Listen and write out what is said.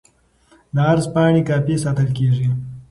د عرض پاڼې کاپي ساتل کیږي.